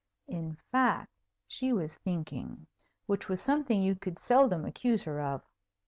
In fact, she was thinking, which was something you could seldom accuse her of.